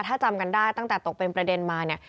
ถ้าจำกันได้ตั้งแต่ตกเป็นประเด็นมาเนี่ย